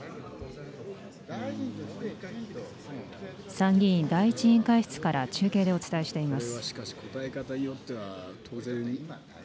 参議院第１委員会室から中継でお伝えしています。